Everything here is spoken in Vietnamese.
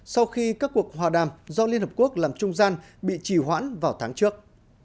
sau khi các cuộc hòa đàm do liên hợp quốc làm trung gian bị trì hoãn vào tháng trước